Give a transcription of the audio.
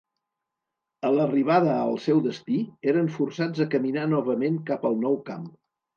A l'arribada al seu destí, eren forçats a caminar novament cap al nou camp.